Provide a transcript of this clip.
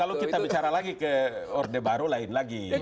kalau kita bicara lagi ke orde baru lain lagi